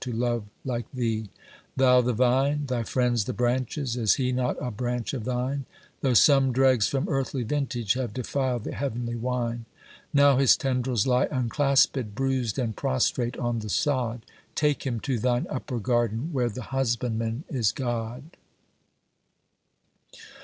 to love like Thee; Thou the vino — thy friends the branches — is he not a branch of Thine, Though some dregs from earthly vintage have defiled the heavenly wine ? Now his tendrils lie unclasped, bruised and prostrate on the sod, — Take him to thine upper garden, where the husbandman is God!